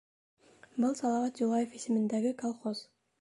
Был Салауат Юлаев исемендәге колхоз.